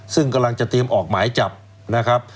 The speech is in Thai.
ซึ่งกำลังจะเตรียมออกหมายจับนะครับ